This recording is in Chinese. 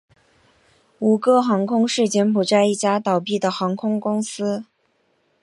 吴哥航空是柬埔寨一家倒闭的航空公司。